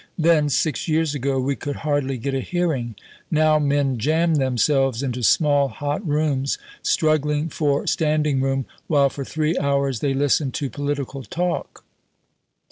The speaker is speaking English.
Then, 6 years ago, we could hardly get a hearing: now men jam themselves into small hot rooms, struggling for standing room while for 3 hours they listen to political talk.